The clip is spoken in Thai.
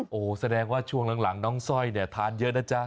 โอ้โหแสดงว่าช่วงหลังน้องสร้อยเนี่ยทานเยอะนะจ๊ะ